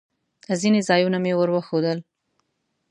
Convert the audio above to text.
ځینې ځایونه مې ور وښوول.